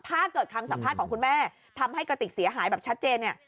ถ้าเกิดคำสัมภาษณ์ของคุณแม่ทำให้กระติกเสียหายแบบชัดเจนเนี่ย